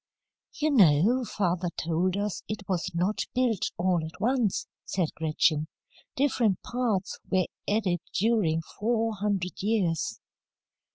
] "You know father told us it was not built all at once," said Gretchen. "Different parts were added during four hundred years."